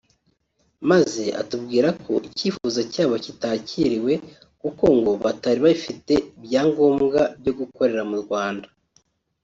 maze atubwira ko icyifuzo cyabo kitakiriwe kuko ngo batari bafite ibyangombwa byo gukorera mu Rwanda